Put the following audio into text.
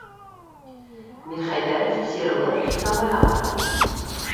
- Мирхәйҙәров, сирылып, Ихсанбайға ҡараны.